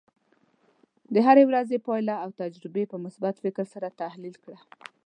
د هرې ورځې پایله او تجربې په مثبت فکر سره تحلیل کړه.